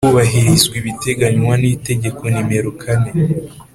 hubahirizwa ibiteganywa n Itegeko nimero kane